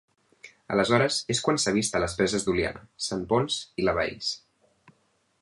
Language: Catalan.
Aleshores és quan s'ha vist a les preses d'Oliana, Sant Ponç i la Baells.